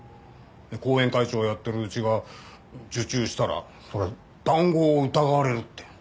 後援会長やってるうちが受注したら談合を疑われるって。